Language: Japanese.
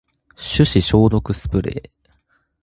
手指消毒スプレー